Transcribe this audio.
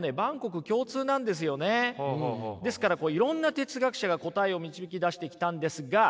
ですからいろんな哲学者が答えを導き出してきたんですが。